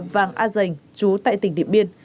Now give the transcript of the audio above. vàng a dành chú tại tỉnh điện biên